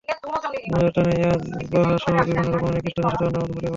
মজার টানেই ইয়াবাসহ বিভিন্ন রকম নিকৃষ্ট নেশা তরুণদের মধ্যে ছড়িয়ে পড়ে।